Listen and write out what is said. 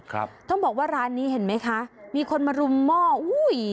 ครับต้องบอกว่าร้านนี้เห็นไหมคะมีคนมารุมหม้ออุ้ย